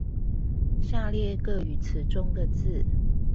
下列各語詞中的字